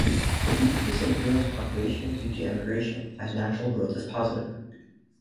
The decrease in Greenland's population is due to emigration, as natural growth is positive.